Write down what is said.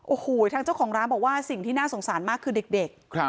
โอ้โหทางเจ้าของร้านบอกว่าสิ่งที่น่าสงสารมากคือเด็ก